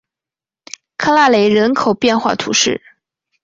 克拉雷人口变化图示